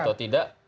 lgbt atau tidak